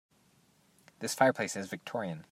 This fireplace is Victorian.